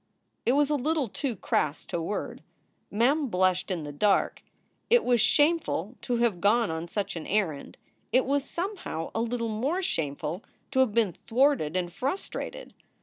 It was a little too crass to word. Mem blushed in the dark. It was shameful to have gone on such an errand. It was somehow a little more shameful to have been thwarted and frustrated.